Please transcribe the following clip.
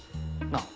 なあ？